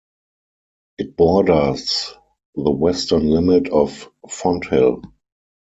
It borders the western limit of Fonthill.